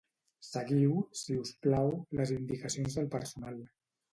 Seguiu, si us plau, les indicacions del personal.